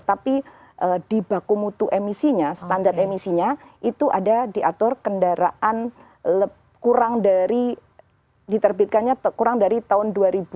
tapi di baku mutu emisinya standar emisinya itu ada diatur kendaraan kurang dari diterbitkannya kurang dari tahun dua ribu dua